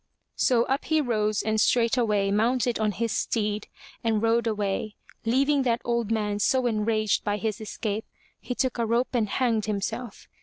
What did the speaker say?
'* So up he rose and straightway mounted on his steed and rode away, leaving that old man so enraged by his escape, he took a rope and hanged himself.